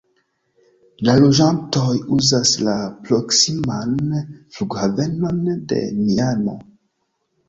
La loĝantoj uzas la proksiman flughavenon de Miamo.